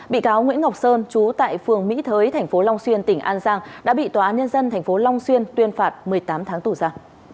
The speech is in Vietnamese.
bị cáo nguyễn ngọc sơn chú tại phường mỹ thới thành phố long xuyên tỉnh an giang đã bị tòa án nhân dân thành phố long xuyên tuyên phạt một mươi tám tháng tù ra